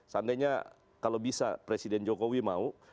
seandainya kalau bisa presiden jokowi mau